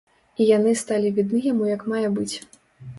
І яны сталі відны яму як мае быць.